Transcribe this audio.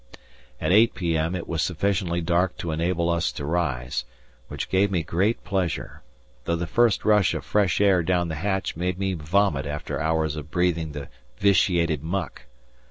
At 8 p.m. it was sufficiently dark to enable us to rise, which gave me great pleasure, though the first rush of fresh air down the hatch made me vomit after hours of breathing the vitiated muck.